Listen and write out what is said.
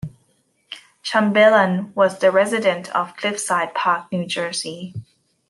Chambellan was a resident of Cliffside Park, New Jersey.